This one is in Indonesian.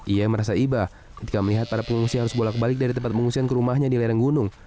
ia merasa iba ketika melihat para pengungsi harus bolak balik dari tempat pengungsian ke rumahnya di lereng gunung